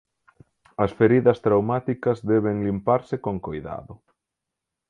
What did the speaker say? As feridas traumáticas deben limparse con coidado.